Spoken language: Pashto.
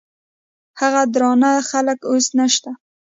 هغه درانه خلګ اوس نشته.